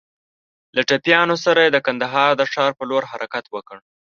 له ټپيانو سره يې د کندهار د ښار په لور حرکت وکړ.